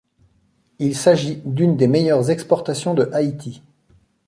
Il s'agit d'une des meilleures exportations de Haïti.